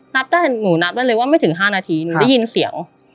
หนูนับได้เลยว่าไม่ถึง๕นาทีหนูได้ยินเสียง